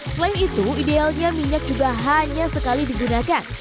selain itu idealnya minyak juga hanya sekali digunakan